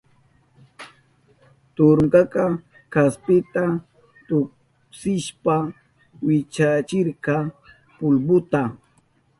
Turunkaka kaspita tuksishpa wichachirka pulbuta.